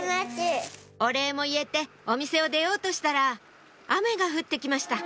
お礼も言えてお店を出ようとしたら雨が降って来ました